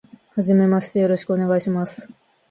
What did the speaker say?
初めましてよろしくお願いします。